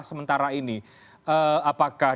sementara ini apakah